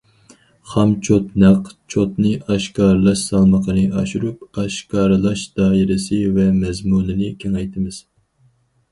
خامچوت، نەق چوتنى ئاشكارىلاش سالمىقىنى ئاشۇرۇپ، ئاشكارىلاش دائىرىسى ۋە مەزمۇنىنى كېڭەيتىمىز.